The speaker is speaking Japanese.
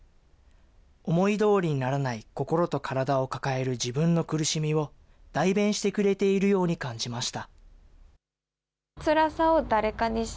思いどおりにならない心と体を抱える自分の苦しみを、代弁してくれているように感じました。